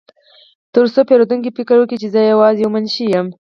ترڅو پیرودونکي فکر وکړي چې زه یوازې یو منشي یم